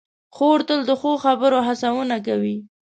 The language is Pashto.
خور تل د ښو خبرو هڅونه کوي.